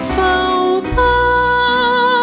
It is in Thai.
เฝ้าพา